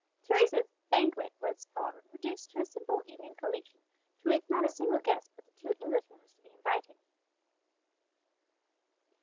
Teresa's "banquet" was, however, reduced to a simple evening collation, to which not a single guest but the two Englishmen was to be invited.